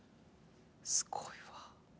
すごいわ。